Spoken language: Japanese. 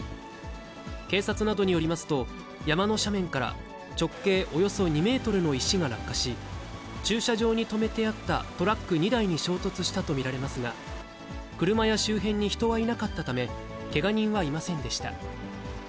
警察などによりますと、山の斜面から直径およそ２メートルの石が落下し、駐車場に止めてあったトラック２台に衝突したと見られますが、車や周辺に人はいなかったため、けが人はいませんでした。